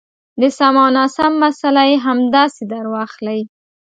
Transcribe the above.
د سم او ناسم مساله یې همداسې درواخلئ.